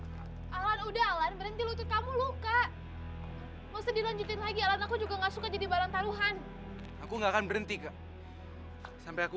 alan udah alan berhenti lutut kamu lo kek